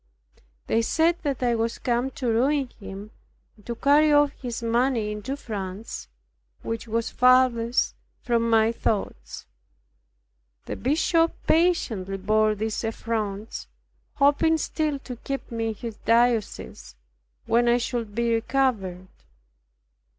They said that I was come to ruin him, and to carry off his money into France, which was farthest from my thoughts. The bishop patiently bore these affronts, hoping still to keep me in his diocese, when I should be recovered.